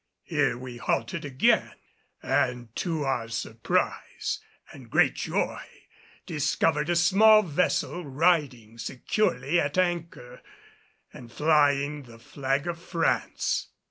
Here we halted again, and to our surprise and great joy discovered a small vessel riding securely at anchor, and flying the flag of France!